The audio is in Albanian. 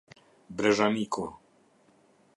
Brezhaniku